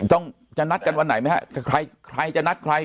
ต้องจะนัดกันวันไหนไหมฮะใครใครจะนัดใคร